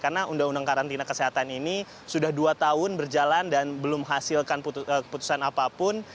karena undang undang karantina kesehatan ini sudah dua tahun berjalan dan belum hasilkan keputusan apapun